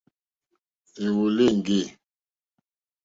Èwòló éŋɡê.